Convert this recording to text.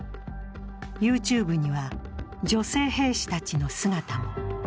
ＹｏｕＴｕｂｅには、女性兵士たちの姿も。